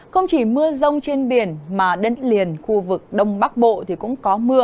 không chỉ mưa rông trên biển mà đất liền khu vực đông bắc bộ thì cũng có mưa